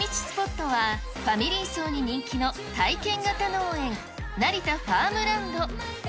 スポットは、ファミリー層に人気の体験型農園、成田ファームランド。